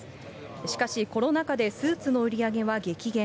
しかしコロナ禍でスーツの売り上げは激減。